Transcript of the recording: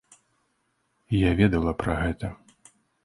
Я ведала пра гэта.